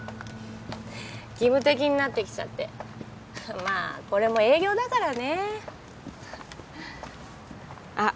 義務的になってきちゃってまあこれも営業だからねあっ